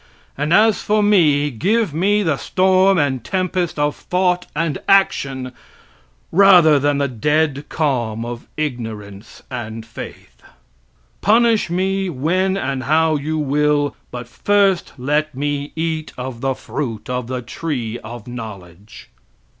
And as for me, give me the storm and tempest of thought and action rather than the dead calm of ignorance and faith. Punish me when and how you will, but first let me eat of the fruit of the tree of knowledge.